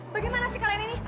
bagaimana sih kalian ini